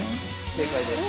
正解です。